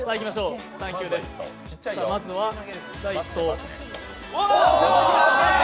まずは第１投。